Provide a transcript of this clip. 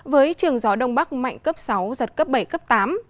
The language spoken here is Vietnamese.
với trường gió đông bắc mạnh cấp sáu giật cấp bảy cấp tám